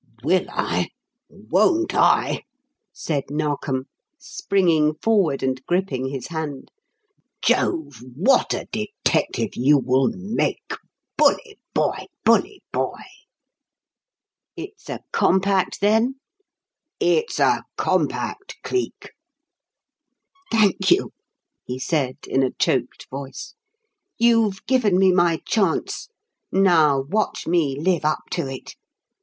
"Will I? Won't I!" said Narkom, springing forward and gripping his hand. "Jove! what a detective you will make. Bully boy! Bully boy!" "It's a compact, then?" "It's a compact Cleek." "Thank you," he said in a choked voice. "You've given me my chance; now watch me live up to it.